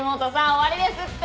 終わりですって！